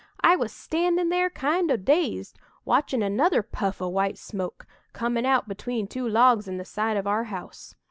"I was standin' there, kind o' dazed, watchin' another puff o' white smoke, comin' out between two logs in the side of our house.